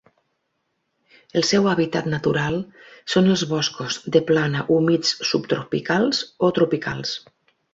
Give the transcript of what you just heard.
El seu hàbitat natural són els boscos de plana humits subtropicals o tropicals.